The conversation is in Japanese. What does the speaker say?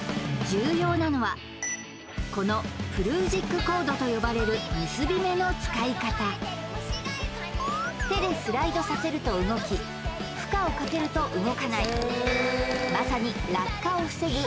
重要なのはこのプルージックコードと呼ばれる結び目の使い方手でスライドさせると動き負荷をかけると動かないまさに落下を防ぐ